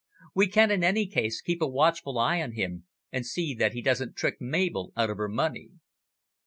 We can in any case, keep a watchful eye on him, and see that he doesn't trick Mabel out of her money."